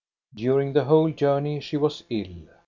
During the whole journey she was ill.